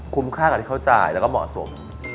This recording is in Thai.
ค่ากับที่เขาจ่ายแล้วก็เหมาะสม